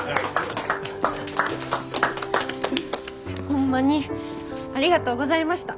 ホンマにありがとうございました。